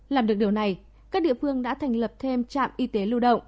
làm được điều này các địa phương đã thành lập thêm trạm y tế lưu động